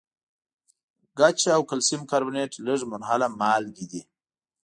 ګچ او کلسیم کاربونیټ لږ منحله مالګې دي.